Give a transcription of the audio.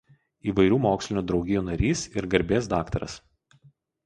Įvairių mokslinių draugijų narys ir garbės daktaras.